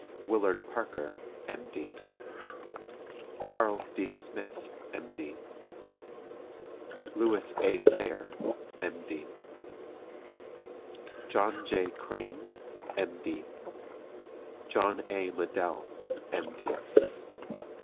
WILLARD PARKER, M.D. CHARLES D. SMITH, M.D. LEWIS A. SAYRE, M.D. JOHN J. CRANE, M.D. JOHN A. LIDELL, M.D.